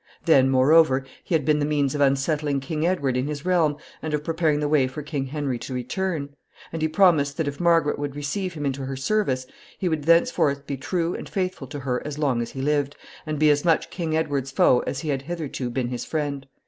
Then, moreover, he had been the means of unsettling King Edward in his realm, and of preparing the way for King Henry to return; and he promised that, if Margaret would receive him into her service, he would thenceforth be true and faithful to her as long as he lived, and be as much King Edward's foe as he had hitherto been his friend.